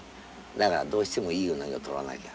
だからどうしてもいいウナギを取らなきゃ。